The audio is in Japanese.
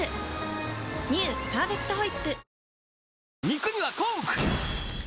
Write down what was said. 「パーフェクトホイップ」